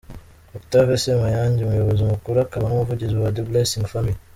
Octave Semayange umuyobozi mukuru akaba n'umuvugizi wa The Blessing Family.